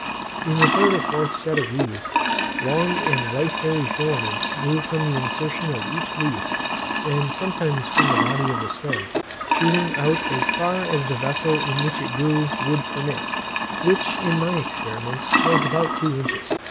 In the third or fourth set of leaves, long and white hairy filaments grew from the insertion of each leaf and sometimes from the body of the stem, shooting out as far as the vessel in which it grew would permit, which, in my experiments, was about two inches.